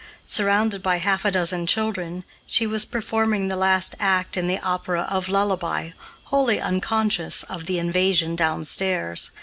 Surrounded by half a dozen children, she was performing the last act in the opera of Lullaby, wholly unconscious of the invasion downstairs.